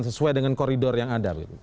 sesuai dengan koridor yang ada